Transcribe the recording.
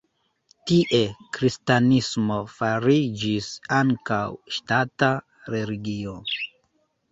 Tie kristanismo fariĝis ankaŭ ŝtata religio.